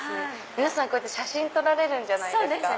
皆さんこうやって写真撮られるんじゃないですか？